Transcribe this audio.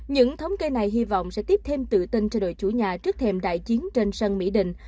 những thống kê này hy vọng sẽ tiếp thêm tự tin cho đội chủ nhà trước thềm đại chiến trên sân mỹ đình